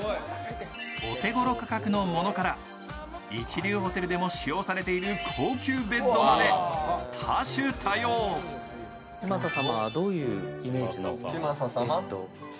お手頃価格のものから一流ホテルでも使用されている高級ベッドまで多種多様。